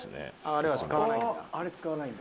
あれは使わないんだ。